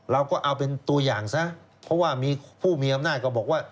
เราก็เอาเป็นตัวอย่างซะเพราะว่ามีผู้มีอำนาจก็บอกว่า